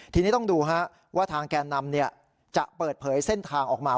ทีนี้ต้องดูว่าทางแก่นำจะเปิดเผยเส้นทางออกมา